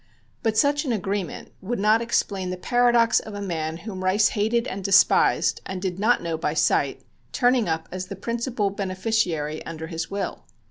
But such an agreement would not explain the paradox of a man whom Rice hated and despised and did not know by sight turning up as the principal beneficiary under his will.